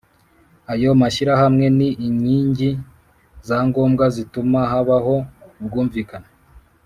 Ayo mashyirahamwe ni inkingi za ngombwa zituma habaho ubwumvikane